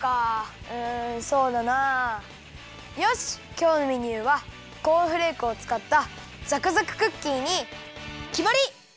きょうのメニューはコーンフレークをつかったざくざくクッキーにきまり！